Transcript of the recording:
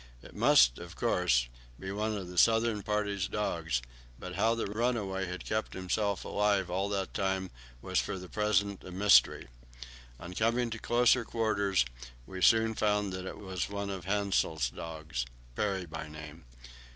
It must, of course, be one of the southern party's dogs, but how the runaway had kept himself alive all that time was for the present a mystery. On coming to closer quarters we soon found that it was one of Hassel's dogs, Peary by name.